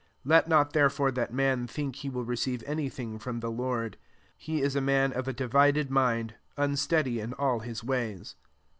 7 Let not there ore that man think he will re reive any thing from the Lord :\ he 19 a man of a divided mind, msteady in all his ways.